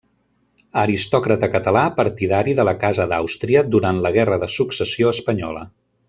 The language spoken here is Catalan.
Aristòcrata català partidari de la Casa d'Àustria durant la Guerra de Successió Espanyola.